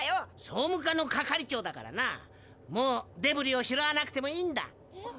総務課の係長だからなもうデブリを拾わなくてもいいんだ。